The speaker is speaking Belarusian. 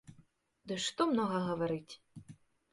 Ды што многа гаварыць!